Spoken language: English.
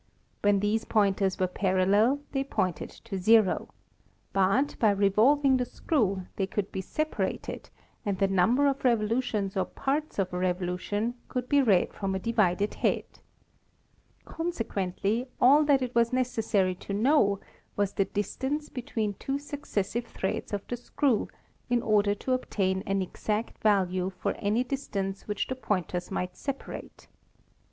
When these pointers were parallel they pointed to zero ; but, by revolv ing the screw, they could be separated and the number of revolutions or parts of a revolution could be read from a divided head. Consequently all that it was necessary to know was the distance between two successive threads of the screw in order to obtain an exact value for any dis tance which the pointers might separate.